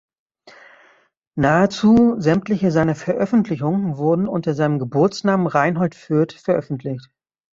Nahezu sämtliche seiner Veröffentlichungen wurden unter seinem Geburtsnamen Reinhold Fürth veröffentlicht.